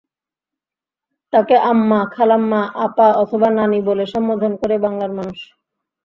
তাঁকে আম্মা, খালাম্মা, আপা অথবা নানি বলে সম্বোধন করে বাংলার মানুষ।